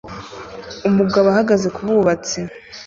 Umugabo ahagaze kububatsi